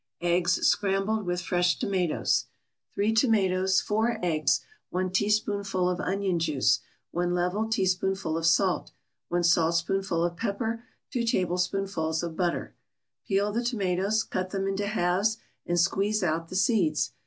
EGGS SCRAMBLED WITH FRESH TOMATOES 3 tomatoes 4 eggs 1 teaspoonful of onion juice 1 level teaspoonful of salt 1 saltspoonful of pepper 2 tablespoonfuls of butter Peel the tomatoes, cut them into halves and squeeze out the seeds.